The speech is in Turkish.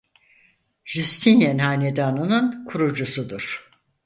Jüstinyen Hanedanı'nın kurucusudur.